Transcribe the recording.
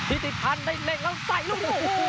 ฮิติภัณฑ์ได้แม่งแล้วใส่ลง